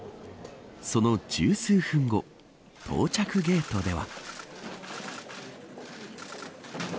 その十数分後到着ゲートでは。